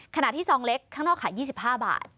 ที่ซองเล็กข้างนอกขาย๒๕บาท